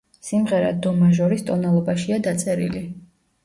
სიმღერა დო მაჟორის ტონალობაშია დაწერილი.